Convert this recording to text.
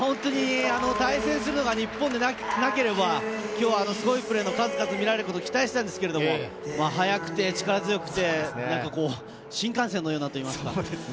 対戦するのが日本でなければ、すごいプレーの数々を見られることを期待していましたが、速くて力強くて新幹線のような。